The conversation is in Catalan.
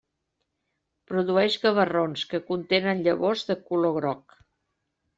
Produeix gavarrons que contenen llavors de color groc.